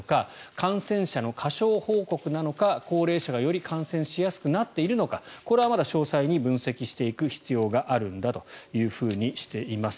感染者の過少報告なのか高齢者がより感染しやすくなっているのかこれはまだ詳細に分析していく必要があるんだとしています。